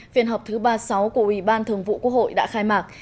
phiên họp thứ ba mươi sáu của ủy ban thường vụ quốc hội đã khai mạc